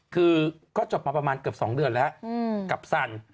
คือก็จบมาประมาณเกือบ๒เดือนแล้วกับสัน